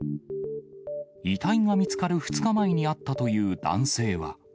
遺体が見つかる２日前に会ったという男性は。